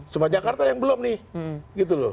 cuma jakarta yang belum nih gitu loh